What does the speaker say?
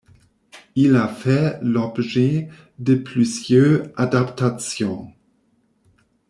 Il a fait l'objet de plusieurs adaptations.